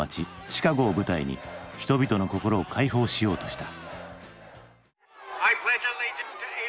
シカゴを舞台に人々の心を解放しようとした。